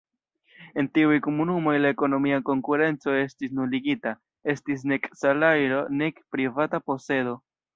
En tiuj komunumoj la ekonomia konkurenco estis nuligita, estis nek salajro nek privata posedo.